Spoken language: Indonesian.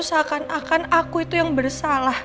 seakan akan aku itu yang bersalah